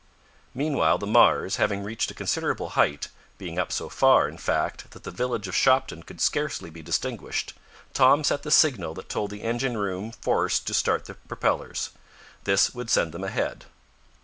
Meanwhile the Mars, having reached a considerable height, being up so far, in fact, that the village of Shopton could scarcely be distinguished, Tom set the signal that told the engine room force to start the propellers. This would send them ahead.